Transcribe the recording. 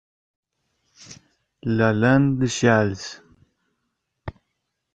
La Lande-Chasles